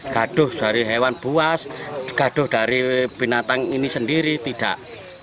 gaduh dari hewan buas gaduh dari binatang ini sendiri tidak